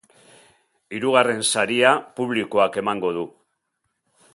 Hirugarren saria publikoak emango du.